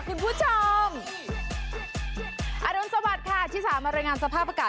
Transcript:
คุณผู้ชมสวัสดีค่ะที่สามรายงานสภาพอากาศ